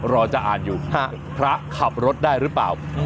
รอจะอ่านอยู่พระขับรถได้หรือเปล่า